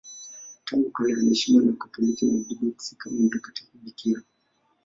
Tangu kale anaheshimiwa na Wakatoliki na Waorthodoksi kama mtakatifu bikira.